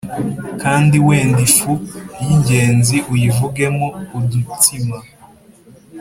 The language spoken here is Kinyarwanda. Kandi wende ifu y ingezi uyivugemo udutsima